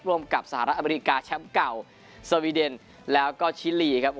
ร่วมกับสหรัฐอเมริกาแชมป์เก่าสวีเดนแล้วก็ชิลีครับ